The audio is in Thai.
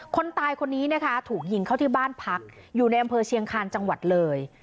คนตายคนนี้นะคะถูกยิงเข้าที่บ้านพักอยู่ในอำเภอเชียงคาญจังหวัดเลย